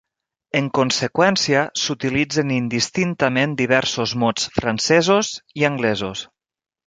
En conseqüència, s'utilitzen indistintament diversos mots francesos i anglesos.